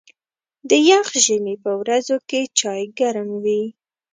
د یخ ژمي په ورځو کې چای ګرم وي.